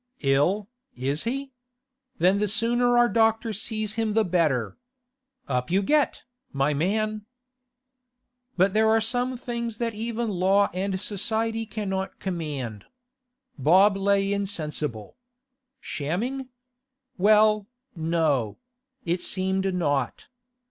'Ill, is he? Then the sooner our doctor sees him the better. Up you get, my man!' But there are some things that even Law and Society cannot command. Bob lay insensible. Shamming? Well, no; it seemed not.